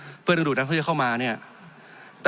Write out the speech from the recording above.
จริงโครงการนี้มันเป็นภาพสะท้อนของรัฐบาลชุดนี้ได้เลยนะครับ